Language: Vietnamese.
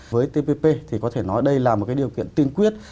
với tpp thì có thể nói đây là một điều kiện tiên quyết